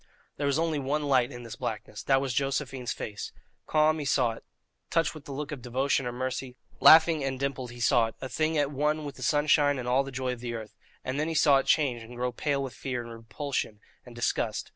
There was only one light in this blackness that was Josephine's face. Calm he saw it, touched with the look of devotion or mercy; laughing and dimpled he saw it, a thing at one with the sunshine and all the joy of earth; and then he saw it change, and grow pale with fear, and repulsion, and disgust.